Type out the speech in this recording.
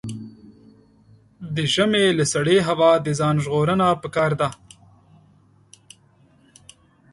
د ژمي له سړې هوا د ځان ژغورنه پکار ده.